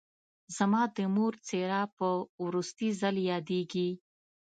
زما د مور څېره په وروستي ځل یادېږي